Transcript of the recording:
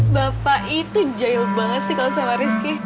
bapak itu jail banget sih kalau sama rizky